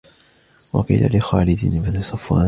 وَقِيلَ لِخَالِدِ بْنِ صَفْوَانَ